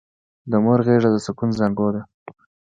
د مور غېږه د سکون زانګو ده!